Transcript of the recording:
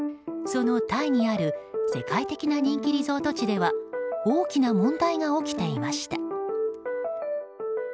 そのタイにある世界的な人気リゾート地では大きな問題が起きていました。